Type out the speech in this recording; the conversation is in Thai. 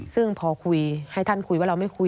ซึ่งพอคุยให้ท่านคุยว่าเราไม่คุย